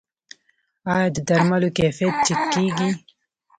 آیا د درملو کیفیت چک کیږي؟